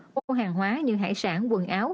mua hàng hóa như hải sản quần áo